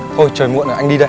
thôi trời muộn rồi anh đi đây